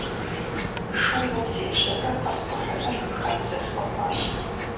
Шууэ сежьэурэ къэскӀухьыныр хабзэ схуэхъуащ.